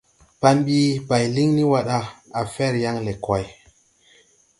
Pan bi bay lin ni wa da, à fer yan le kway.